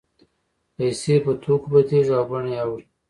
پیسې په توکو بدلېږي او بڼه یې اوړي